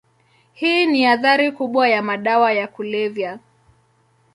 Hii ni athari kubwa ya madawa ya kulevya.